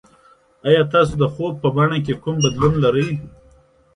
ایا تاسو د خوب په بڼه کې کوم بدلون لرئ؟